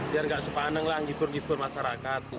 biar gak sepaneng lah ngibur ngibur masyarakat